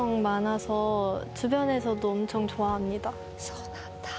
そうなんだ。